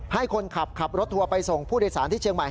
ให้คนขับขับรถทัวร์ไปส่งผู้โดยสารที่เชียงใหม่